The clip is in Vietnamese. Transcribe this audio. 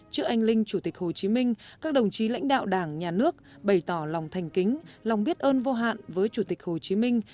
trước anh linh chủ tịch hồ chí minh các đồng chí lãnh đạo đảng nhà nước bày tỏ lòng thành kính lòng biết ơn vô hạn với chủ tịch hồ chí minh